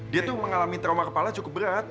dia tuh mengalami trauma kepala cukup berat